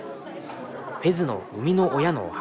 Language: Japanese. フェズの生みの親のお墓。